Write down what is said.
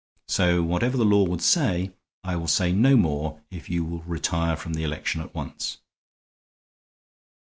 So whatever the law would say, I will say no more if you will retire from the election at once."